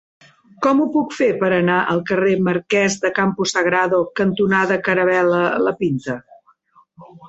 Com ho puc fer per anar al carrer Marquès de Campo Sagrado cantonada Caravel·la La Pinta?